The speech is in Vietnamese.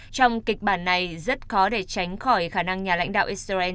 trong kịch bản này rất khó để tránh khỏi khả năng nhà lãnh đạo israel